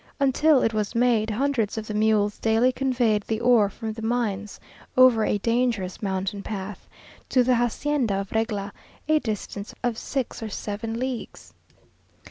Until it was made, hundreds of mules daily conveyed the ore from the mines over a dangerous mountain path, to the hacienda of Regla, a distance of six or seven leagues.